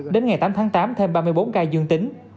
đến ngày tám tháng tám thêm ba mươi bốn ca dương tính